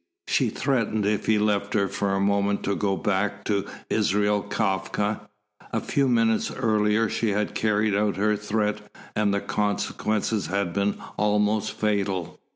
She threatened if he left her for a moment to go back to Israel Kafka. A few minutes earlier she had carried out her threat and the consequence had been almost fatal.